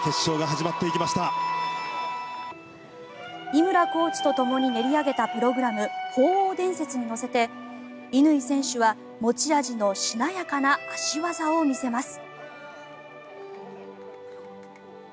井村コーチとともに練り上げたプログラム「鳳凰伝説」に乗せて乾選手は持ち味のしなやかな脚技を見せます。